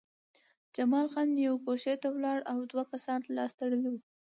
جمال خان یوې ګوښې ته ولاړ و او دوه کسان لاس تړلي وو